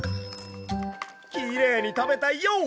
きれいにたべたＹＯ！